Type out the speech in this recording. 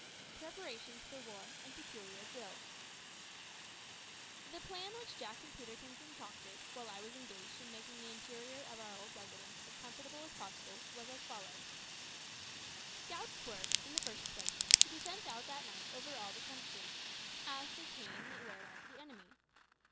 PREPARATIONS FOR WAR, AND PECULIAR DRILL. The plan which Jack and Peterkin concocted, while I was engaged in making the interior of our old residence as comfortable as possible, was as follows: Scouts were, in the first place, to be sent out that night all over the country, to ascertain the whereabouts of the enemy.